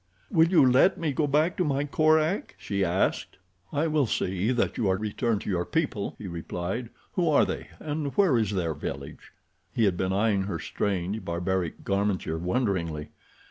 "Will you let me go back to my Korak?" she asked. "I will see that you are returned to your people," he replied. "Who are they and where is their village?" He had been eyeing her strange, barbaric garmenture wonderingly.